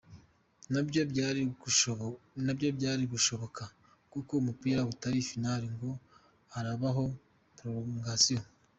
Nabyo byari gushoboka kuko umupira utari final ngo harabaho prolongation.